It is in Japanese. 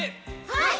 はい！